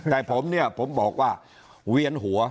แต่ผมเนี่ยผมบอกว่าเวียนหัว